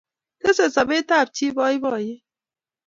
Tesei sobetab chii boiboiye